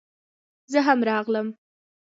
زه هم راغلم